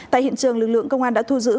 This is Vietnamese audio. tại hiện trường lực lượng công an đã thu giữ